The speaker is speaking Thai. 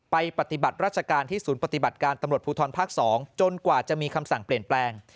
ปฏิบัติราชการที่ศูนย์ปฏิบัติการตำรวจภูทรภาค๒จนกว่าจะมีคำสั่งเปลี่ยนแปลง